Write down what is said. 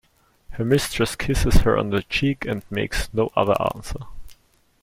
Her mistress kisses her on the cheek and makes no other answer.